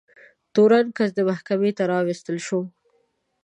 تورن کس محکمې ته راوستل شو.